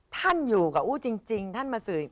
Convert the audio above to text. ท่านอยู่กับอู้จริงท่านมาสื่อ